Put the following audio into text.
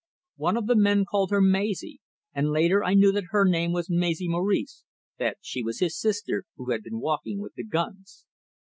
One of the men called her Maisie, and later I knew that her name was Maisie Morrice, that she was his sister, who had been walking with the "guns."